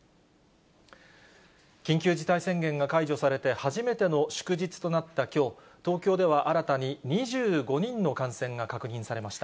緊急事態宣言が解除されて初めての祝日となったきょう、東京では新たに２５人の感染が確認されました。